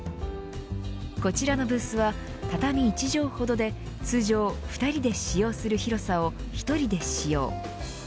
こちらのブースは畳１畳ほどで通常２人で使用する広さを１人で使用。